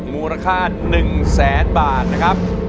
มูลค่า๑แสนบาทนะครับ